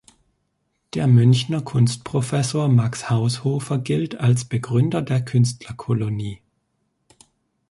Der Münchner Kunstprofessor Max Haushofer gilt als Begründer der Künstlerkolonie.